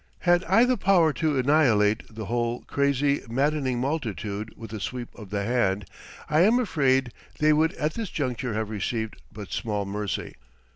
Had I the power to annihilate the whole crazy, maddening multitude with a sweep of the hand, I am afraid they would at this juncture have received but small mercy.